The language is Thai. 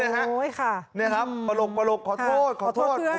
โอ้ยค่ะเนี้ยครับประโลกประโลกขอโทษขอโทษขอโทษเพื่อน